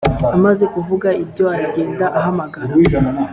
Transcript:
amaze kuvuga ibyo aragenda ahamagara